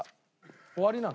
終わりなの？